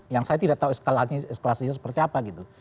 yang saya tidak tahu eskalasi eskalasinya seperti apa gitu